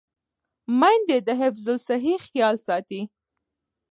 میندې د حفظ الصحې خیال ساتي.